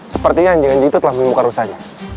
sepertinya anjing anjing itu telah memukar rusaknya